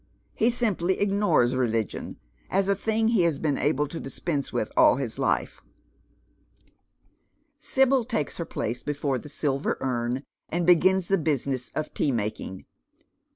He simply Ignores religion, as a thing he has been able to dispense with all his life. Sibyl takes her place before the silver urn, and begins the business of tea making. Mr.